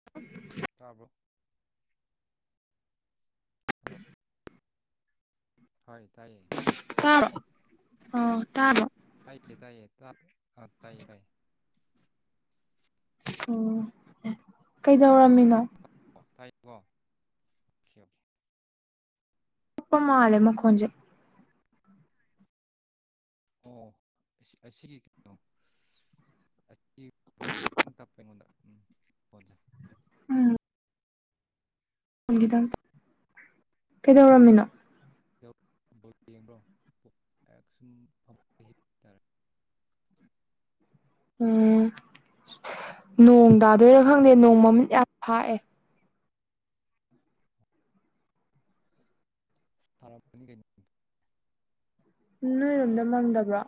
[inaudible] ꯇꯥꯕꯔꯣ ꯍꯜꯂꯣ ꯇꯥꯏꯌꯦ ꯇꯥꯏꯌꯦ ꯇꯥ ꯑ [unintelligible] ꯇꯥꯕꯔꯣ ꯇꯥꯏꯌꯦ ꯇꯥꯏꯌꯦ ꯑ ꯇꯥꯏꯌꯦ ꯇꯥꯏꯌꯦ ꯑꯣ ꯀꯩꯗꯧꯔꯝꯃꯤꯅꯣ ꯑꯣ ꯇꯥꯏꯀꯣ ꯑꯣꯀꯦ ꯑꯣꯀꯦ ꯇꯞꯄ ꯃꯥꯜꯂꯦ ꯃꯈꯣꯟꯖꯦ ꯑꯣ ꯑꯁꯤꯒꯤ ꯀꯩꯅꯣ ꯑꯁꯤꯔꯁꯤ ꯈꯤꯇꯪ ꯇꯞꯄ ꯑꯩꯉꯣꯟꯗ ꯎꯝ ꯍꯖꯩ [unintelligible] ꯎꯝ ꯐ [unintelligible] ꯈꯤꯗꯪ ꯀꯩꯗꯧꯔꯝꯃꯤꯅꯣ ꯌꯦꯡꯕ꯭ꯔꯣ ꯑꯩꯍꯥꯛ ꯁꯨꯝ ꯍꯤ ꯍꯥꯏꯇꯥꯔꯦ [unintelligible] ꯎꯝ ꯅꯣꯡ ꯇꯥꯗꯣꯏꯔꯥ ꯅꯪꯗꯤ ꯈꯪꯗꯦ ꯅꯣꯡ ꯃꯃꯤꯠ ꯌꯥꯝ ꯐꯥꯛꯑꯦ ꯁꯥ ꯀꯩꯅꯣ [unintelligible] ꯅꯣꯏꯔꯣꯝꯗ ꯃꯪꯗꯕ꯭ꯔꯣ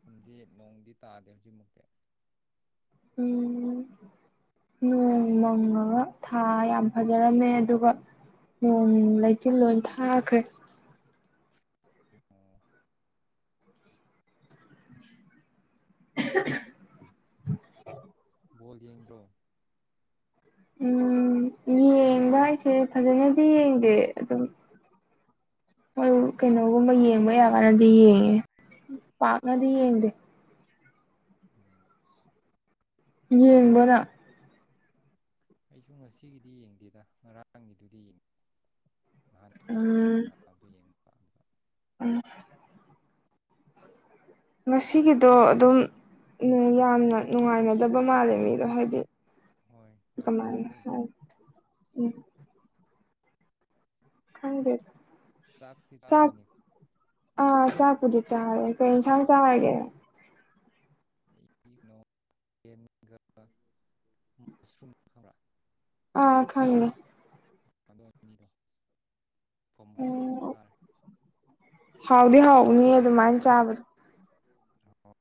ꯌꯨꯝꯗꯤ [unintelligible] ꯅꯣꯡꯗꯤ ꯇꯥꯗꯦ ꯍꯧꯖꯤꯛꯃꯛꯇꯤ ꯎꯝ ꯅꯣꯡ ꯃꯪꯉꯒ ꯊꯥ ꯌꯥꯝ ꯐꯖꯔꯝꯃꯦ ꯑꯗꯨꯒ ꯅꯣꯡ ꯂꯩꯆꯤꯟ ꯂꯣꯏ ꯊꯥꯈ꯭ꯔꯦ ꯑꯣ [unintelligible] ꯕꯣꯜ ꯌꯦꯡꯗ꯭ꯔꯣ ꯎꯝ ꯌꯦꯡꯕ ꯍꯥꯏꯁꯦ ꯐꯖꯅꯗꯤ ꯌꯦꯡꯗꯦ ꯑꯗꯨꯝ ꯍꯣꯏ ꯀꯩꯅꯣꯒꯨꯝꯕ ꯌꯦꯡꯕ ꯌꯥꯒꯅꯗꯤ ꯌꯦꯡꯉꯦ ꯄꯥꯛꯅꯗꯤ ꯌꯦꯡꯗꯦ ꯑꯣ ꯌꯦꯡꯕꯔꯣ ꯅꯪ ꯑꯩꯁꯨ ꯉꯁꯤꯒꯤꯗꯤ ꯌꯦꯡꯗꯦꯗ ꯉꯔꯥꯡꯒꯤꯗꯨꯗꯤ ꯌꯦꯡꯉꯦ ꯅꯍꯥꯟ ꯄꯣꯔꯇꯨꯀꯣꯜꯒꯤ ꯎꯝ ꯁꯅꯥꯝꯗꯨ ꯌꯦꯡꯕꯔ [unintelligible] ꯎꯝ ꯉꯁꯤꯒꯤꯗꯣ ꯑꯗꯨꯝ ꯌꯥꯝꯅ ꯅꯨꯡꯉꯥꯏꯅꯗꯕ ꯃꯥꯜꯂꯦ ꯃꯤꯗꯣ ꯍꯥꯏꯗꯤ ꯍꯣꯏ ꯌꯥꯝ ꯀꯃꯥꯏ ꯅꯨꯡꯉꯥꯏꯕ ꯑꯣꯏꯗꯦ ꯎꯝ ꯈꯪꯗꯦ ꯆꯥꯛꯇꯤ ꯆꯥꯛ ꯆꯥꯔꯝꯃꯅꯤ ꯑꯥ ꯆꯥꯛꯄꯨꯗꯤ ꯆꯥꯔꯦ ꯀꯩ ꯑꯦꯟꯁꯥꯡ ꯆꯥꯔꯒꯦ [unintelligible] ꯃꯁꯔꯨꯝ ꯈꯪ ꯑ ꯊꯪꯃꯦ ꯑꯗꯨ ꯑꯅꯤꯗꯣ ꯐꯣꯝ ꯇꯧ ꯎꯝ ꯆꯥꯔꯦ ꯍꯥꯎꯗꯤ ꯍꯥꯎꯅꯤ ꯑꯗꯨꯃꯥꯏꯅ ꯆꯥꯕꯗꯣ ꯑꯣ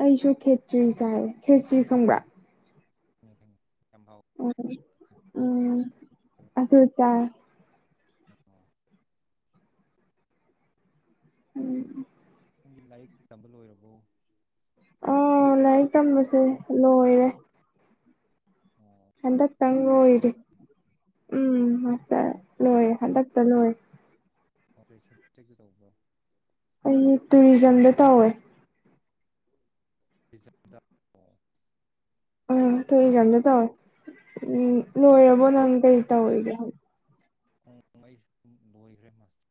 ꯑꯩꯁꯨ ꯈꯦꯇ꯭ꯔꯤ ꯆꯥꯏꯔꯦ ꯈꯦꯇ꯭ꯔꯤ ꯈꯪꯕ꯭ꯔꯥ ꯌꯥꯝꯚꯥꯎ ꯎꯝ ꯎꯝ ꯑꯗꯨ ꯆ ꯑꯣ ꯎꯝ ꯅꯪꯒꯤ ꯂꯥꯏꯔꯤꯛ ꯇꯝꯕ ꯂꯣꯏꯔꯕꯣ ꯑꯥ ꯂꯥꯏꯔꯤꯛ ꯇꯝꯕꯁꯦ ꯂꯣꯏꯔꯦ ꯑꯣ ꯍꯟꯗꯛꯇꯪ ꯃꯥꯁꯇꯔ ꯂꯣꯏꯔꯦ ꯂꯣꯏꯔꯕꯣ ꯎꯝ ꯃꯥꯁꯇꯔ ꯂꯣꯏꯔꯦ ꯍꯟꯗꯛꯇ ꯂꯣꯏꯔꯦ ꯑꯣꯀꯦ ꯁꯞꯖꯦꯛꯇ ꯇꯧꯕ꯭ꯔꯣ ꯑꯩ ꯇꯨꯔꯤꯖꯝꯗ ꯇꯧꯋꯦ ꯖꯥꯗ ꯑ ꯊꯣꯛꯣꯏꯏꯀꯥꯟꯗꯣ ꯇꯧꯦ ꯎꯝ ꯂꯣꯏꯔꯕꯣ ꯅꯪ ꯀꯔꯤ ꯇꯧꯔꯤꯒꯦ ꯑꯩ ꯁꯨꯝ ꯂꯣꯏꯈ꯭ꯔꯦꯁꯇ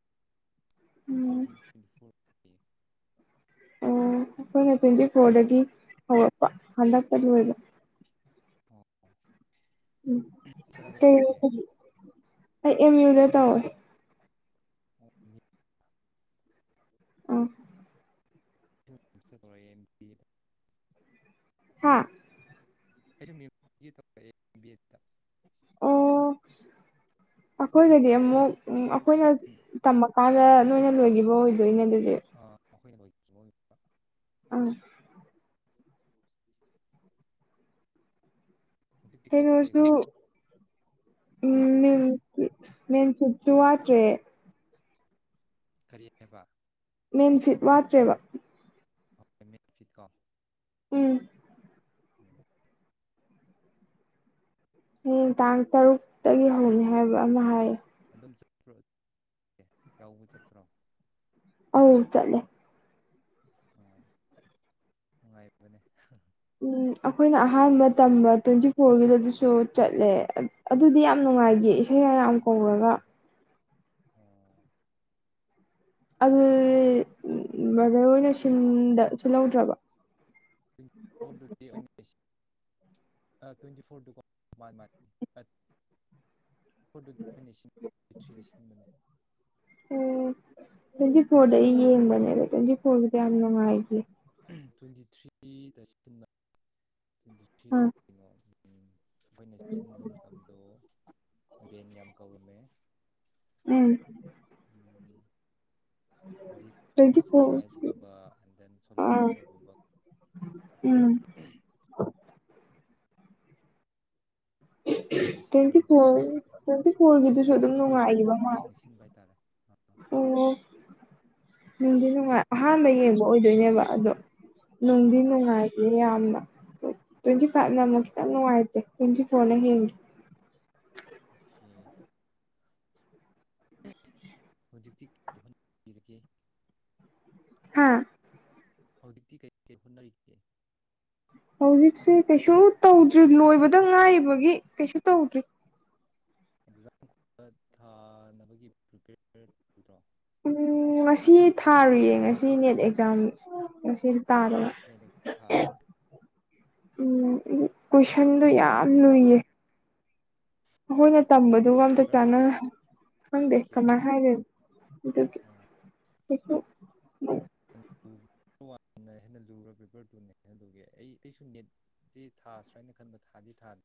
two um thousand twenty four ꯑꯣ ꯑꯩꯈꯣꯏꯅ ꯇ꯭ꯋꯦꯟꯇꯤ ꯐꯣꯔꯗꯒꯤ ꯍꯧꯔꯛꯄ ꯍꯟꯗꯛꯄ ꯂ ꯑꯣꯏꯕ ꯑꯣ ꯀꯗꯥꯏꯗ ꯎ ꯇꯧꯒꯦ ꯑꯩ ꯑꯦꯝ ꯌꯨꯗ ꯇꯑꯣꯦ ꯎ ꯑꯣ ꯑ ꯁꯗ ꯍꯥꯥ ꯑꯩꯁꯨ ꯇꯧꯔꯛꯑꯦ ꯕꯤ ꯆ ꯑꯣ ꯑꯩꯈꯣꯏꯒꯗꯤ ꯑꯃꯨꯛ ꯑꯩꯈꯣꯏꯅ ꯇꯝꯃꯀꯥꯟꯗ ꯅꯣꯏꯅ ꯂꯣꯏꯈꯤꯕ ꯑꯣꯏꯗꯣꯏꯅꯦ ꯑꯗꯨꯗꯤ ꯃꯈꯈꯣꯏꯅꯣꯏ ꯑꯝ ꯃꯁ ꯑꯩ ꯔꯣꯁꯨꯁꯨ ꯎꯝ ꯃꯦꯟ ꯁꯠꯇꯨ ꯋꯥꯠꯇ꯭ꯔꯦ ꯀꯔꯤ ꯍꯥꯏꯕ ꯃꯦꯟꯁꯤꯤꯠ ꯋꯥꯠꯇ꯭ꯔꯦꯕ ꯐꯤꯇꯀꯥ ꯎꯝ ꯎꯝ ꯍꯌꯦ ꯇꯥꯡ ꯇꯔꯨꯛꯇꯒꯤ ꯍꯧꯅꯤ ꯍꯥꯏꯕ ꯑꯃ ꯍꯥꯏ ꯑꯗꯨꯝ ꯆꯠꯇ꯭ꯔꯣ ꯌꯥꯎꯕ ꯆꯠꯇ꯭ꯔꯣ ꯑꯧ ꯆꯠꯂꯦ ꯑꯣ ꯅꯨꯡꯉꯥꯏꯕꯅꯦ ꯎꯝ ꯑꯩꯈꯣꯏꯅ ꯑꯍꯥꯟꯕ ꯇꯝꯕ ꯇ꯭ꯋꯦꯟꯇꯤ ꯐꯣꯔꯒꯤꯗ ꯑꯗꯨꯁꯨ ꯆꯠꯂꯦ ꯑꯗꯨꯗꯤ ꯌꯥꯝ ꯎꯝ ꯅꯨꯡꯉꯥꯏꯈꯤ ꯏꯁꯩ ꯃꯌꯥꯝ ꯀꯧꯔꯒ [unintelligible] [unintelligible] [unintelligible] [unintelligible] [unintelligible] ꯎꯝ [unintelligible] [unintelligible] ꯇ꯭ꯋꯦꯟꯇꯤ ꯊ꯭ꯔꯤꯗ ꯑꯥ ꯀꯩꯅꯣ ꯑꯩꯈꯣꯏꯅ ꯁꯤꯟꯐꯝ ꯃꯇꯝꯗꯣ ꯕꯦꯟ ꯌꯥꯝ ꯀꯧꯔꯝꯃꯦ ꯎꯝ ꯎꯝ ꯍꯧꯖꯤꯛ ꯇ꯭ꯋꯦꯟꯇꯤ ꯏꯅꯣꯁꯦꯟ ꯐꯣꯔ ꯑꯥꯏꯁꯀꯨꯝꯕ ꯑꯦꯟ ꯗꯦꯟ ꯑꯥ ꯁꯣꯂꯦꯔꯒꯨꯝꯕ ꯎꯝ ꯑꯩꯈꯣꯏꯅ ꯁꯤꯟꯕ ꯇ꯭ꯋꯦꯟꯇꯤ ꯃꯇꯝꯗ ꯐꯣꯔ ꯑꯗꯨꯅꯦ ꯇ꯭ꯋꯦꯟꯇꯤ ꯐꯣꯔꯒꯤꯗꯨꯁꯨ ꯇ꯭ꯋꯦꯟꯇꯤ ꯑꯗꯨꯝ ꯐꯣꯔꯗ ꯑꯩꯈꯣꯏꯒꯤ ꯅꯨꯡꯉꯥꯏꯈꯤꯕ ꯃꯥꯜꯂꯦ ꯖꯨꯅꯤꯌꯔꯁꯤꯡꯅ ꯁꯤꯟꯕ ꯍꯥꯏꯇꯥꯔꯦ ꯑꯥ ꯑꯣ ꯅꯨꯡꯗꯤ ꯅꯨꯡꯉꯥꯏ ꯑꯍꯥꯟꯕ ꯌꯦꯡꯕ ꯑꯣꯏꯗꯣꯏꯅꯦꯕ ꯑꯗꯣ ꯅꯨꯡꯗꯤ ꯑꯣ ꯅꯨꯡꯉꯥꯏꯇꯦ ꯌꯥꯝꯅ ꯇꯨꯏꯟꯇꯤꯐꯥꯏ ꯅ ꯑꯃꯨꯛ ꯎꯝ ꯈꯤꯇꯪ ꯅꯨꯉꯥꯏꯇꯦ ꯇꯨꯏꯟꯇꯤꯐꯣꯔ ꯍꯦꯟꯒꯤ ꯑꯣꯈꯦ [unintelligible] ꯍꯥꯥ ꯍꯧꯖꯤꯛꯇꯤ ꯀꯩ ꯀꯩ ꯍꯣꯠꯅꯔꯤꯒꯦ ꯍꯧꯖꯤꯛꯁꯦ ꯀꯩꯁꯨ ꯇꯧꯗ꯭ꯔꯤ ꯂꯣꯏꯕꯗ ꯉꯥꯏꯔꯤꯕꯒꯤ ꯀꯩꯁꯨ ꯇꯧꯗ꯭ꯔꯤ ꯑꯦꯛꯖꯥꯝ ꯒꯨꯝꯕ ꯊꯥꯅꯕꯒꯤ ꯄ꯭ꯔꯤꯄꯦꯌꯔ ꯇꯧꯗ꯭ꯔꯣ ꯎꯝ ꯉꯁꯤ ꯊꯥꯔꯨꯏꯌꯦ ꯉꯁꯤ ꯅꯦꯠ ꯑꯦꯛꯖꯥꯝ ꯉꯁꯤ ꯇꯥꯗꯅ [inaudible] ꯎꯝ ꯀꯣꯏꯁꯟꯗꯣ ꯌꯥꯝ ꯂꯨꯏꯌꯦ ꯑꯩꯈꯣꯏꯅ ꯇꯝꯕꯗꯨꯒ ꯑꯝꯇ ꯆꯥꯟꯅ ꯈꯪꯗꯦ ꯑꯣꯀꯦ ꯀꯃꯥꯏꯅ ꯑꯣꯀꯦ ꯍꯥꯏꯗꯣꯐꯅꯣ ꯑꯗꯨꯒꯤ [inaudible] ꯄꯦꯄꯔ ꯄꯦꯄꯔ ꯋꯥꯟꯅ ꯍꯦꯟꯅ ꯂꯨꯔꯦ ꯄꯦꯄꯔ ꯇꯨꯅ ꯍꯦꯟꯅ ꯂꯨꯒꯦ ꯑꯩ ꯑꯩꯁꯨ ꯅꯤꯠ ꯁꯤ ꯊꯥꯁ꯭ꯤꯔ ꯍꯥꯏꯅ ꯈꯟꯕ ꯊꯥꯗꯤ ꯊꯥꯗꯦ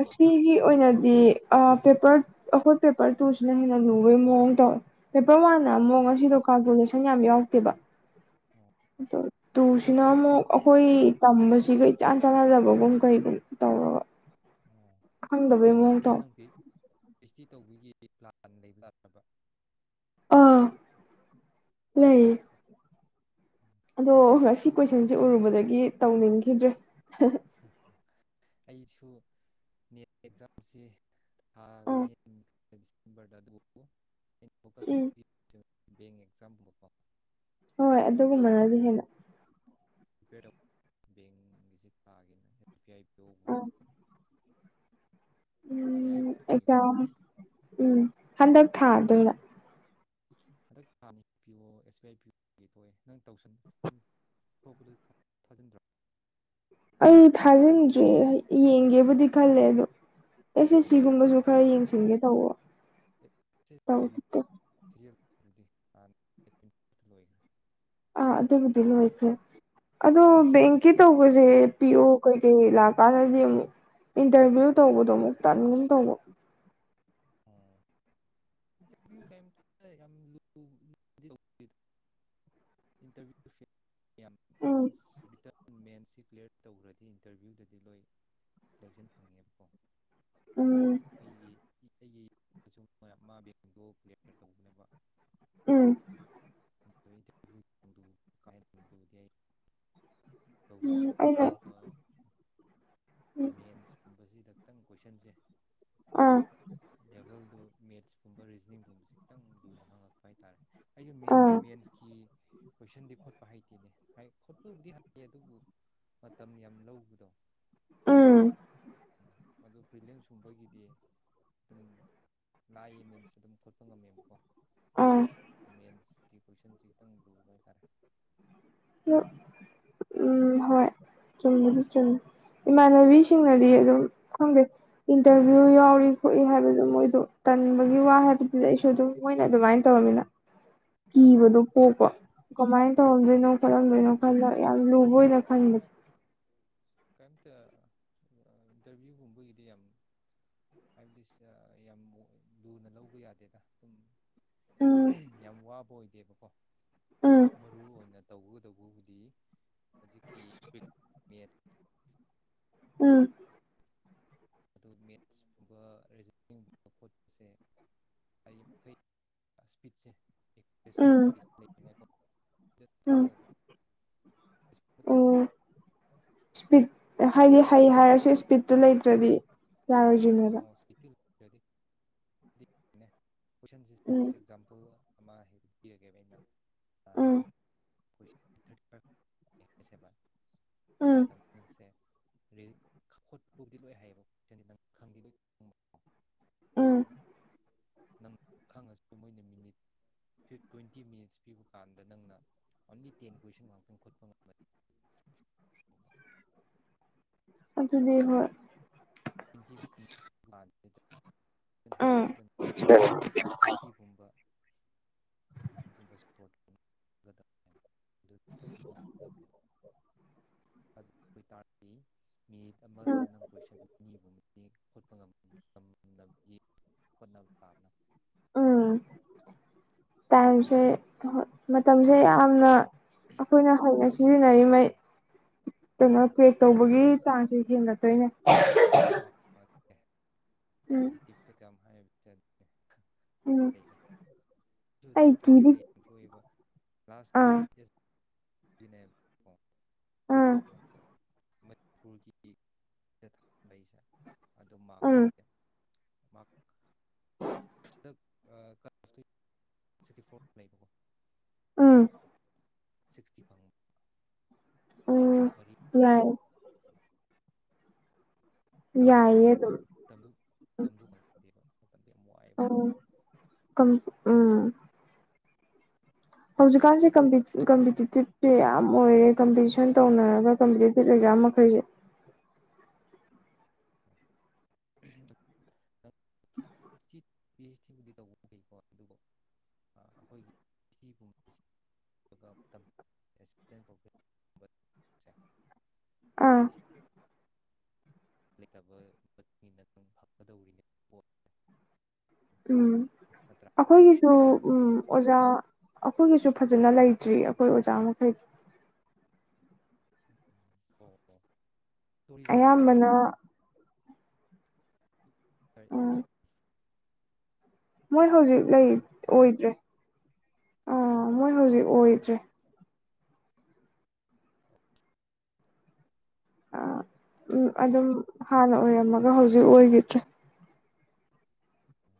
ꯈꯟꯕ ꯑꯣꯏꯅꯗꯤ ꯑꯥ ꯄꯦꯄꯔ ꯑꯩꯈꯣꯏ ꯄꯦꯄꯔ ꯇꯨꯁꯤꯅ ꯍꯦꯟꯅ ꯂꯨꯕꯩ ꯃꯑꯣꯡ ꯇꯧꯋꯦ ꯄꯦꯄꯔ ꯋꯥꯟꯅ ꯑꯃꯨꯛ ꯉꯁꯤꯗꯣ ꯀꯥꯜꯀꯨꯂꯦꯁꯟ ꯌꯥꯝ ꯌꯥꯎꯔꯛꯇꯦꯕ ꯑꯣ ꯑꯗꯣ ꯇꯨꯁꯤꯅ ꯑꯃꯨꯛ ꯑꯩꯈꯣꯏ ꯇꯝꯕꯁꯤꯒ ꯏꯆꯥꯟ ꯆꯥꯟꯅꯗꯕꯒꯨꯝ ꯀꯩꯒꯨꯝ ꯇꯧꯔꯕ ꯑꯣ ꯈꯪꯗꯕꯩ ꯃꯑꯣꯡ ꯇꯧ ꯅꯪꯒꯤ ꯄꯤ [unintelligible] ꯑꯥ ꯂꯩꯌꯦ [inaudible] ꯑꯗꯣ ꯉꯁꯤ ꯀꯣꯏꯁꯟꯁꯤ ꯎꯔꯨꯕꯗꯒꯤ ꯇꯧꯅꯤꯡꯈꯤꯗ꯭ꯔꯦ ꯑꯩꯁꯨ [unintelligible] [unintelligible] [unintelligible] ꯊꯥꯒꯤꯅꯦ ꯑꯥ ꯎꯝ ꯍꯣꯏ ꯑꯗꯨꯒꯨꯝꯕꯅꯗꯤ ꯍꯦꯟꯅ ꯑꯦꯁꯄꯤꯑꯥꯏ ꯄꯤꯑꯣ ꯑꯥ ꯒꯨꯝꯕ ꯎꯝ ꯑꯦꯖꯝ ꯎꯝ ꯍꯟꯗꯛ ꯊꯥꯗꯣꯏꯕ ꯍꯟꯗꯛ ꯊꯅꯤ ꯄꯤꯌꯣ ꯑꯦꯁꯕꯤꯑꯥꯏ ꯄꯤꯑꯣ ꯊꯣꯛꯑꯦ ꯅꯪ ꯇꯧꯁꯟ ꯑꯇꯣꯛꯄꯗ ꯊꯥꯖꯤꯟꯗ꯭ꯔꯣ ꯑꯩ ꯊꯥꯖꯤꯟꯗ꯭ꯔꯦ ꯌꯦꯡꯒꯦꯕꯨꯗꯤ ꯈꯜꯂꯦ ꯑꯗꯣ ꯑꯦꯁꯑꯦꯁꯁꯤ ꯒꯨꯝꯕꯁꯨ ꯈꯔ ꯌꯦꯡꯁꯤꯟꯒꯦ ꯇꯧꯕ [unintelligible] ꯑꯥ ꯑꯗꯨꯕꯨꯗꯤ ꯂꯣꯏꯈ꯭ꯔꯦ ꯑꯗꯣ ꯕꯦꯡꯀꯤ ꯇꯧꯕꯁꯦ ꯄꯤꯑꯣ ꯀꯩꯀꯩ ꯂꯥꯛꯀꯥꯟꯗꯗꯤ ꯑꯃꯨꯛ ꯏꯟꯇꯔꯚꯤꯌꯨ ꯇꯧꯕꯗꯣ ꯑꯃꯨꯛ ꯇꯟꯒꯨꯝ ꯇꯧꯕ ꯎꯝ ꯏꯟꯇꯔꯚꯌꯨ ꯀꯩ ꯌꯥꯝ [inaudible] [unintelligible] ꯏꯟꯇꯔꯚ꯭ꯌꯨ ꯁꯦ ꯌꯥꯝ ꯎꯝ ꯋꯥꯟꯇꯁ [unintelligible] ꯃꯦꯟꯁꯤ ꯀ꯭ꯂꯤꯌꯥꯔ ꯇꯧꯈ꯭ꯔꯗꯤ ꯏꯟꯇꯔꯚꯤꯌꯨꯗꯗꯤ ꯂꯣꯏ ꯁꯦꯂꯦꯛꯁꯟ ꯐꯪꯉꯦꯕꯀꯣ ꯎꯝ ꯑꯩꯒꯤ ꯑꯩꯒꯤ ꯃꯥ ꯕꯦꯡꯗꯣ ꯀ꯭ꯂꯤꯌꯥꯔ ꯇꯧꯕꯅꯦꯕ ꯎꯝ [unintelligible] ꯎꯝ ꯑꯩꯅ ꯎꯝ ꯃꯦꯟꯁ ꯄꯨꯝꯕꯁꯤꯗꯛꯇꯪ ꯀꯣꯏꯁꯟꯁꯦ ꯑꯥ ꯂꯦꯕꯜ ꯗꯣ ꯃꯦꯠꯁ ꯁꯨꯝꯕ ꯔꯤꯖꯅꯤꯡꯒꯨꯝꯕꯁꯦ ꯈꯤꯇꯪ ꯂꯨꯅ ꯍꯪꯉꯛꯄ ꯍꯥꯏꯇꯥꯔꯦ ꯑꯩꯒꯤ ꯑꯥ ꯃꯦꯟꯁꯀꯤ ꯀꯣꯏꯁꯟꯗꯤ ꯈꯣꯠꯄ ꯍꯩꯇꯦꯅꯦ ꯍꯩ ꯈꯣꯠꯄꯕꯨꯗꯤ ꯍꯩ ꯑꯗꯨꯕꯨ ꯃꯇꯝ ꯌꯥꯝ ꯂꯧꯕꯗꯣ ꯎꯝ ꯑꯗꯨ ꯄ꯭ꯔꯤꯂꯤꯌꯝ ꯀꯨꯝꯕꯒꯤꯗꯤ ꯑꯗꯨꯝ ꯂꯥꯏꯑꯦ ꯃꯦꯟꯁꯀꯤ ꯑꯗꯨꯝ ꯈꯣꯠꯄ ꯉꯝꯃꯦꯕꯀꯣ ꯑꯥ ꯃꯦꯟꯁꯀꯤ ꯀꯣꯏꯁꯟꯁꯤ ꯈꯤꯇꯪ ꯂꯨꯕ ꯍꯥꯏꯇꯥꯔꯦ ꯎ [unintelligible] ꯎꯝ ꯍꯣꯏ ꯆꯨꯝꯕꯨꯗꯤ ꯆꯨꯝꯃꯤ ꯏꯃꯥꯟꯅꯕꯤꯁꯤꯡꯅꯗꯤ ꯑꯗꯨꯝ ꯈꯪꯗꯦ ꯏꯟꯇꯔꯚꯤꯌꯨ ꯌꯥꯎꯔꯤ ꯈꯣꯠꯏ ꯍꯥꯏꯕꯗꯣ ꯃꯣꯏꯗꯣ ꯇꯟꯕꯒꯤ ꯋꯥ ꯍꯥꯏꯕꯗꯨꯗꯤ ꯑꯩꯁꯨ ꯑꯗꯨꯝ ꯃꯣꯏꯅ ꯑꯗꯨꯃꯥꯏꯅ ꯇꯧꯔꯃꯤꯅ ꯀꯤꯕꯗꯣ ꯄꯣꯛꯄ ꯀꯃꯥꯏꯅ ꯇꯧꯔꯝꯗꯣꯏꯅꯣ ꯈꯣꯠꯂꯝꯗꯣꯏꯅꯣ ꯈꯜꯂ ꯌꯥꯝ ꯂꯨꯕ ꯑꯣꯏꯔꯝ ꯀꯩꯝꯇ ꯏꯟꯇꯔꯚꯤꯌꯨꯒꯨꯝꯕꯒꯤꯗꯤ ꯌꯥꯝ ꯍꯥꯏꯕꯗꯤ ꯌꯥꯝ ꯂꯨꯅ ꯂꯧꯕ ꯌꯥꯗꯦꯗ ꯑꯗꯨꯝ ꯎꯝ ꯌꯥꯝ ꯋꯥꯕ ꯑꯣꯏꯗꯦꯕꯀꯣ ꯎꯝ ꯃꯔꯨ ꯑꯣꯏꯅ ꯇꯧꯕ ꯀꯨꯗꯧꯕꯕꯨꯗꯤ ꯍꯧꯖꯤꯛꯀꯤ [inaudible] ꯃꯦꯠꯁ ꯄꯤꯕ ꯎꯝ ꯑꯗꯨ ꯃꯦꯠꯁꯀꯨꯝꯕ ꯔꯤꯖꯅꯤꯡꯒꯨꯝꯕ ꯈꯣꯠꯄꯁꯦ ꯑꯩꯌꯤ ꯃꯈꯩ ꯏꯁꯄꯤꯠꯁꯦ ꯎꯝ ꯎꯝ [unintelligible] [unintelligible] ꯇꯧꯕ ꯑꯣ ꯏꯁꯄꯤꯠ ꯍꯥꯏꯗꯤ ꯍꯩ ꯍꯥꯏꯔꯁꯨ ꯏꯁꯄꯤꯠꯇꯨ ꯂꯩꯇ꯭ꯔꯗꯤ ꯌꯥꯔꯣꯏꯗꯣꯏꯅꯦꯕ [unintelligible] ꯀꯣꯏꯁꯟꯖꯦ ꯎꯝ ꯑꯦꯛꯖꯥꯝꯄꯜ ꯑꯃ ꯍꯦꯛꯇ ꯄꯤꯔꯒꯦꯕ ꯑꯩꯅ ꯑ ꯎꯝ ꯔꯤꯖꯅꯤꯡ ꯀꯣꯏꯁꯟ ꯊꯥꯔꯇꯤ ꯍꯥꯏꯁꯦꯕ ꯎꯝ ꯑꯗꯨꯒ ꯅꯪꯁꯦ [unintelligible] ꯈꯣꯠꯄꯕꯨꯗꯤ ꯂꯣꯏ ꯍꯩꯌꯦꯕ ꯀꯣꯏꯁꯗꯤ ꯅꯪ ꯈꯪꯗꯤ ꯂꯣꯏ ꯈꯪꯕ ꯎꯝ ꯑꯗꯣ ꯅꯪ ꯈꯪꯉꯁꯨ ꯃꯣꯏꯅ ꯃꯤꯅꯤꯠꯤ ꯇ꯭ꯋꯦꯟꯇꯤ ꯃꯤꯅꯤꯠꯁ ꯄꯤꯕ ꯀꯥꯟꯗ ꯅꯪꯅ ꯑꯣꯟꯂꯤ ꯇꯦꯟ ꯀꯣꯏꯁꯟ ꯉꯥꯛꯇꯪ ꯈꯠꯄ ꯉꯝꯃꯅꯤ ꯑꯗꯨꯅꯦ ꯍꯣꯏ ꯇ꯭ꯋꯦꯟꯇꯤ ꯃꯤꯅꯤꯠ [unintelligible] ꯎꯝ [unintelligible] ꯌꯥꯡꯈꯩ ꯊꯥꯔꯇꯤꯒꯨꯝꯕ [unintelligible] [inaudible] [inaudible] ꯑꯗꯨ ꯑꯣꯏꯇꯥꯔꯗꯤ ꯃꯤꯅꯤꯠ ꯑꯃꯗ ꯎꯝ ꯅꯪ ꯀꯣꯏꯁꯟ ꯑꯅꯤꯒꯨꯝꯕꯗꯤ ꯈꯣꯠꯄ ꯉꯝꯅꯕꯒꯤ ꯍꯣꯠꯅꯕ ꯇꯥꯕꯅꯦ ꯎꯝ ꯇꯥꯏꯝꯁꯦ ꯍꫭꯏ ꯃꯇꯝꯁꯦ ꯌꯥꯝꯅ ꯑꯩꯈꯣꯏꯅ ꯍꫭꯠꯅ ꯎꯝ ꯁꯤꯖꯤꯟꯅꯔꯤ ꯃꯩ ꯀꯩꯅꯣ ꯄꯦꯛ ꯍꯣꯏ ꯇꯧꯕꯒꯤ ꯆꯥꯡꯁꯤ ꯍꯦꯟꯒꯛꯇꯣꯏꯅꯦ ꯍꯣꯏ ꯎꯝ [unintelligible] ꯑꯦꯛꯖꯥꯝ ꯍꯥꯏꯕꯖꯦ ꯑꯗꯨꯅꯦ ꯎꯝ [unintelligible] ꯁꯦ ꯇꯨ ꯑꯩ ꯇꯥꯏꯝ ꯀꯤꯗꯤ ꯐꯦꯛꯇꯔꯗ ꯌꯦꯟꯊ꯭ꯔꯣꯛꯏꯕ ꯑꯥ [unintelligible] ꯑꯥ ꯄꯨꯔꯒꯤꯗ ꯊꯝꯃꯥꯛꯏꯁꯦ ꯑꯗꯨ ꯎꯝ ꯃꯥꯛꯁꯦ [unintelligible] ꯑꯩꯅ ꯎꯝ ꯁꯤꯛꯁꯇꯤ ꯐꯪꯕ ꯃꯥꯛ ꯎꯝ ꯃꯔꯤ ꯐꯪꯕ ꯌꯥꯏ ꯃꯇꯝ ꯌꯥꯏꯌꯦ ꯑꯗꯨꯝ ꯐꯪꯗꯕꯅꯦ ꯃꯇꯝꯗꯨ ꯃꯇꯝꯗꯨ ꯐꯪ ꯗꯦꯕ ꯃꯇꯝꯗꯣ ꯌꯥꯝ ꯋꯥꯏꯑꯦꯕ ꯎꯝ ꯎꯝ ꯍꯧꯖꯤꯛꯀꯥꯟꯁꯦ ꯀꯝꯄꯤꯇꯤꯞ ꯀꯝꯄꯤꯇꯤꯇꯤꯞꯇꯤ ꯌꯥꯝ ꯑꯣꯏꯌꯦ ꯀꯝꯄꯤꯇꯤꯁꯟ ꯇꯧꯅꯔꯒ ꯀꯝꯄꯤꯇꯤꯇꯤꯞ ꯑꯦꯛꯖꯥꯝ ꯃꯈꯩꯁꯦ [unintelligible] ꯁꯤ ꯄꯤ ꯑꯩꯆ ꯗꯤꯕꯨꯗꯤ ꯇꯧꯕ ꯐꯩꯀꯣ ꯑꯗꯨꯕꯨ ꯑ ꯑꯩꯈꯣꯏꯒꯤ [unintelligible] ꯒꯨꯝꯕꯁꯤ ꯑꯗꯨꯒ ꯑꯝꯇꯪ ꯑꯦꯁꯤꯁꯇꯦꯟ ꯄ꯭ꯔꯣꯐꯦ [unintelligible] ꯑꯥ ꯂꯩꯇꯕꯩ ꯃꯇꯨꯡ ꯏꯟꯅ ꯑꯗꯨꯝ ꯐꯪꯒꯗꯧꯔꯤꯅꯦꯕꯀꯣ ꯎꯝ ꯅꯠꯇ꯭ꯔꯥ ꯑꯩꯈꯣꯏꯒꯤꯁꯨ ꯎꯝ ꯑꯗꯨꯒꯤ ꯑꯣꯖꯥ__ ꯑꯣꯖꯥ ꯑꯩꯈꯣꯏꯒꯤꯁꯨ ꯐꯖꯅ ꯂꯩꯇ꯭ꯔꯤ ꯑꯩꯈꯣꯏ ꯑꯣꯖꯥ ꯃꯈꯩꯗꯣ [unintelligible] ꯇꯨꯔꯤꯖꯝꯒꯤ ꯑꯌꯥꯝꯕꯅ [unintelligible] ꯎꯝ ꯃꯣꯏ ꯍꯧꯖꯤꯛ ꯂꯩ ꯈꯪꯕ꯭ꯔꯥ ꯁꯔ ꯑꯣꯏꯗ꯭ꯔꯦ ꯏꯕꯣꯛ ꯑꯥ ꯃꯣꯏ ꯍꯧꯖꯤꯛ ꯑꯣ ꯑꯣꯏꯗ꯭ꯔꯦ ꯑꯥ ꯑꯗꯨꯝ ꯍꯥꯟꯅ ꯑꯣꯏꯔꯝꯃꯒ ꯍꯧꯖꯤꯛ ꯑꯣꯏꯒꯤꯗ꯭ꯔꯦ ꯎꯝ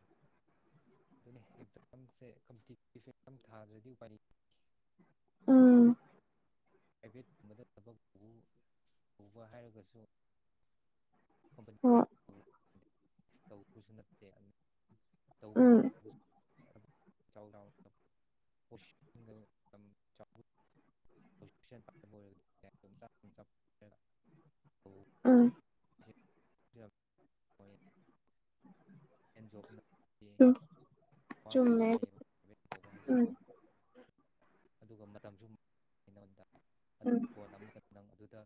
ꯑꯗꯨꯅꯦ ꯑꯦꯛꯖꯥꯝꯁꯦ ꯀꯝꯄꯤꯇꯤ [unintelligible] ꯊꯥꯗ꯭ꯔꯗꯤ ꯎꯄꯥꯏ ꯂꯩ__ ꯑꯣꯑꯣ ꯎꯝ ꯄ꯭ꯔꯥꯏꯚꯦꯠꯀꯨꯝꯕꯗ ꯊꯕꯛ ꯇꯧ ꯇꯧꯕ ꯍꯥꯏꯔꯒꯁꯨ ꯍꯣꯏ ꯀꯝꯄꯅꯤꯗ [unintelligible] ꯇꯧꯕꯁꯨ ꯅꯠꯇꯦ ꯎꯝ ꯑꯗꯨꯅꯦ [unintelligible] [unintelligible] [unintelligible] [unintelligible] ꯇꯧꯕꯁꯦ ꯎꯝ [unintelligible] ꯑꯦꯟꯖꯣꯕꯅ ꯄꯤꯌꯦ [unintelligible] ꯋꯥꯁꯨ ꯆꯨꯝꯃꯦ ꯋꯥꯏꯑꯦꯕ [unintelligible] ꯇꯧꯕ ꯎꯝ ꯍꯥꯏꯁꯦꯀꯣ [unintelligible] ꯑꯗꯨꯒ ꯃꯇꯝꯁꯨ ꯑꯃꯨꯛ ꯀꯩꯅꯣꯅꯤꯗꯥ ꯎꯝ ꯑꯗꯨꯒ ꯀꯣꯟꯅ ꯑꯃꯨꯛꯀ ꯅꯪ ꯑꯗꯨꯗ